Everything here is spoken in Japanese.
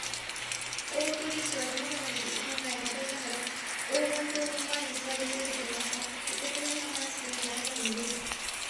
大鳥氏はさまざまに考えまどいながら、黄金塔の前にすわりつづけていました。一刻も目をはなす気になれないのです。